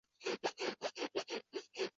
佐佐木本人得知后对事情十分迷惘。